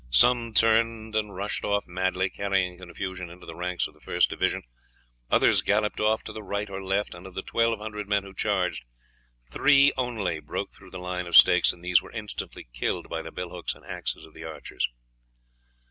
Some turned and rushed off madly, carrying confusion into the ranks of the first division, others galloped off to the right or left, and of the twelve hundred men who charged, three only broke through the line of stakes, and these were instantly killed by the bill hooks and axes of the archers.